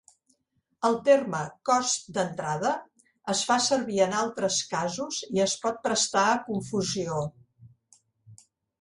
El terme "cost d'entrada" es fa servir en altres casos i es pot prestar a confusió.